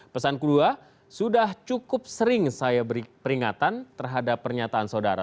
pesan kedua sudah cukup sering saya beri peringatan terhadap pernyataan saudara